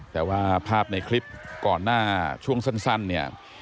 แต่ว่าภาพในคลิปก่อนหน้าช่วงสั้นเนี่ย